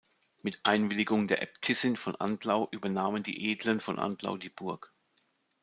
Mit Einwilligung der Äbtissin von Andlau übernahmen die Edlen von Andlau die Burg.